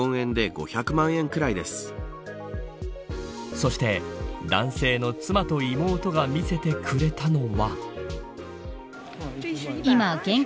そして男性の妻と妹が見せてくれたのは。